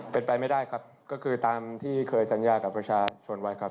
เป็นไปไม่ได้ครับก็คือตามที่เคยสัญญากับประชาชนไว้ครับ